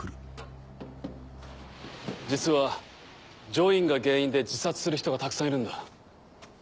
実は『ジョイン』が原因で自殺する人がたくさんいるんだ。